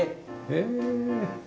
へえ。